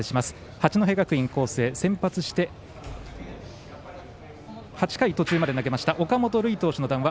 八戸学院光星先発して８回途中まで投げました岡本琉奨投手の談話